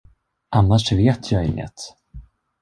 Annars vet jag inget.